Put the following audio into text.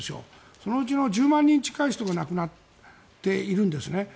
そのうちの１０万人近い人が亡くなっているんですね。